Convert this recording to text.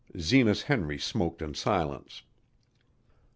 Zenas Henry smoked in silence.